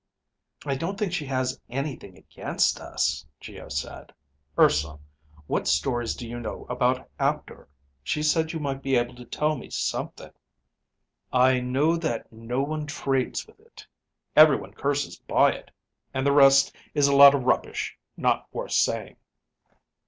"I don't think she has anything against us," Geo said. "Urson, what stories do you know about Aptor? She said you might be able to tell me something." "I know that no one trades with it, everyone curses by it, and the rest is a lot of rubbish not worth saying."